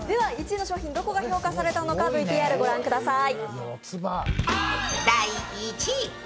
１位の商品、どこが評価されたのかＶＴＲご覧ください。